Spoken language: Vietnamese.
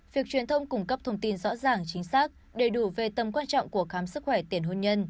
việc truyền thông cung cấp thông tin rõ ràng chính xác đầy đủ về tầm quan trọng của khám sức khỏe tiền hôn nhân